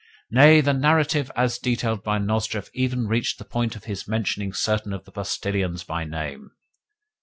Nay, the narrative, as detailed by Nozdrev, even reached the point of his mentioning certain of the postillions by name!